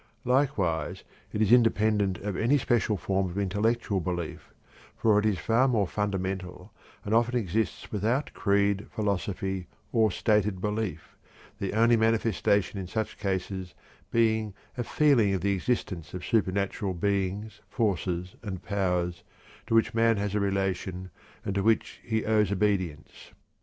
Likewise, it is independent of any special form of intellectual belief, for it is far more fundamental and often exists without creed, philosophy, or stated belief, the only manifestation in such cases being a "feeling" of the existence of supernatural beings, forces, and powers to which man has a relation and to which he owes obedience.